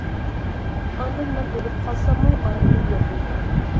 ئاندىن مەن ئۆلۈپ قالساممۇ ئارمىنىم يوق ئىدى.